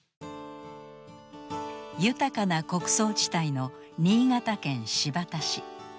豊かな穀倉地帯の新潟県新発田市。